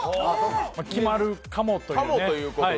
決まるかもということで。